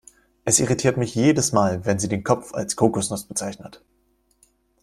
Es irritiert mich jedes Mal, wenn sie den Kopf als Kokosnuss bezeichnet.